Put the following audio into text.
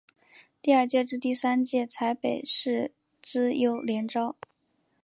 第二届至第三届采北市资优联招。